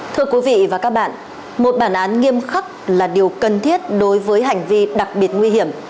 thưa quý vị và các bạn một bản án nghiêm khắc là điều cần thiết đối với hành vi đặc biệt nguy hiểm